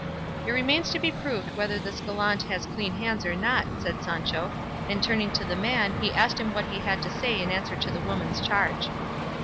"It remains to be proved whether this gallant has clean hands or not," said Sancho; and turning to the man he asked him what he had to say in answer to the woman's charge.